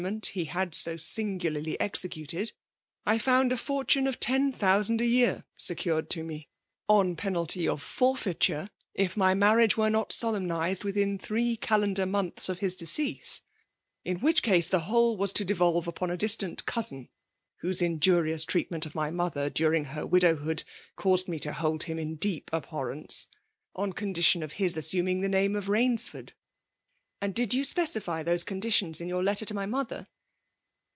ment he had bo singuhily executed, I found a ffartune of' ten thousand a year secured to me^i on penalty of forfeituie^ if my marriage wero not solemnized, within three calendar months of his decease ; in which case the whole was toi deTolve upon a distant cousin (whose injurious treatment of my mother, during her widowhood, caused me to hold him in deep abhorrence,); on condition of his assuming the name of Bainsford." ''And did you specify those conditions int your letter to my moliier?